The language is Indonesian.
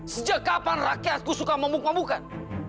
sejak kapan rakyatku suka mabuk mabukan